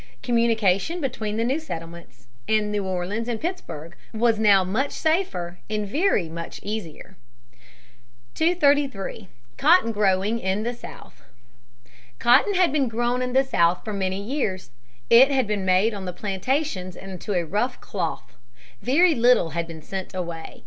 Communication between the new settlements, and New Orleans and Pittsburg, was now much safer and very much easier. [Sidenote: Cotton growing.] [Sidenote: Beginning of exportation, 1784.] 233. Cotton Growing in the South. Cotton had been grown in the South for many years. It had been made on the plantations into a rough cloth. Very little had been sent away.